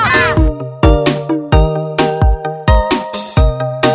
กิ๊บกันแดนค่ะ